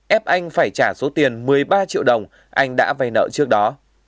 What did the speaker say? ép anh phải trả số tiền một mươi ba triệu đồng anh đã vay nợ trước đó